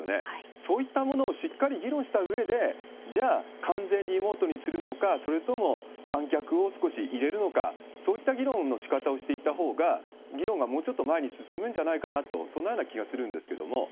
そういったものをしっかり議論したうえで、じゃあ、完全リモートにするのか、それとも観客を少し入れるのか、そういった議論のしかたをしていったほうが、議論がもうちょっと前に進むんじゃないかなと、そんなような気がするんですけれども。